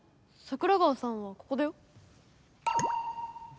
桜川さんはここだよ。